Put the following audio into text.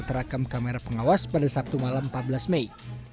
terekam kamera pengawas pada sabtu malam empat belas mei